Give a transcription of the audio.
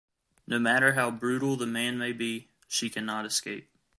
No matter how brutal the man may be, she cannot escape.